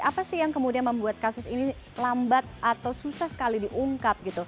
apa sih yang kemudian membuat kasus ini lambat atau susah sekali diungkap gitu